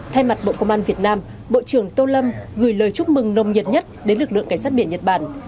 thay mặt bộ công an việt nam bộ trưởng tô lâm gửi lời chúc mừng nồng nhiệt nhất đến lực lượng cảnh sát biển nhật bản